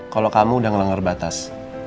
kalau kamu udah ngelanggar batas